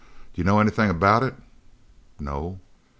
Do you know anything about it?" "No."